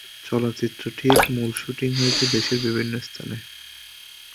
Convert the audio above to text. চলচ্চিত্রটির মূল শ্যুটিং হয়েছে দেশের বিভিন্ন স্থানে।